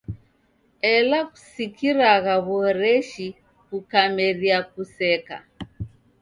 Ela kuskiragha w'uhoreshi kukameria kuseka.